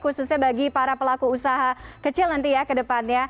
khususnya bagi para pelaku usaha kecil nanti ya ke depannya